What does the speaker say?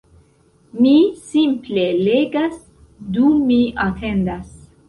Mi simple legas dum mi atendas